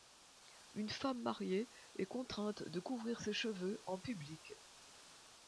Une femme mariée est contrainte de couvrir ses cheveux en public.